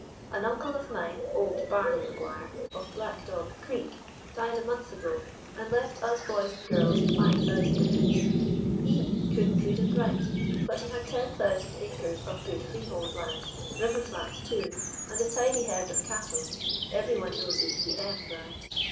"An uncle of mine, old Barney Maguire, of Black Dog Creek, died a month ago, and left us boys and girls five thousand apiece. He couldn't read and write, but he had ten thousand acres of good freehold land, river flats, too, and a tidy herd of cattle—every one knows the 'B. M.' brand.